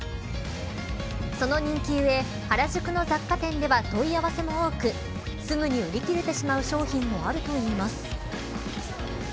その人気ゆえ原宿の雑貨店では問い合わせも多くすぐに売り切れてしまう商品もあるといいます。